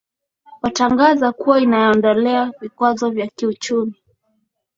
otangaza kuwa inaondolea vikwazo vya kiuchumi